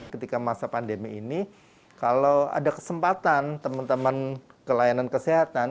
ketika masa pandemi ini kalau ada kesempatan teman teman kelainan kesehatan